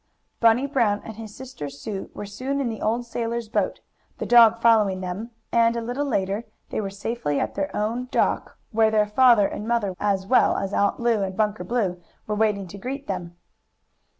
Bunny Brown and his sister Sue were soon in the old sailor's boat, the dog following them, and, a little later, they were safely at their own dock, where their father and mother, as well as Aunt Lu and Bunker Blue, were waiting to greet them.